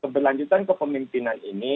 keberlanjutan kepemimpinan ini